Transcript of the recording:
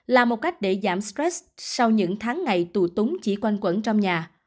là một cách để giảm stress sau những tháng ngày tù chỉ quanh quẩn trong nhà